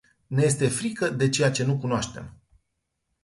Ne este frică de ceea ce nu cunoaștem.